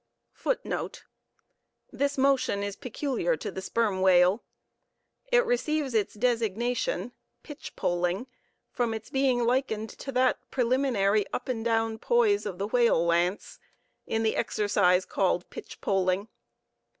[Footnote 4: This motion is peculiar to the sperm whale. It receives its designation (pitchpoling) from its being likened to that preliminary up and down poise of the whale lance, in the exercise called pitchpoling.